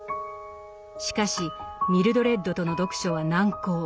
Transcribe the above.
しかしミルドレッドとの読書は難航。